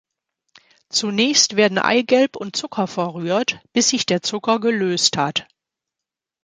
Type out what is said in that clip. Zunächst werden Eigelb und Zucker verrührt, bis sich der Zucker gelöst hat.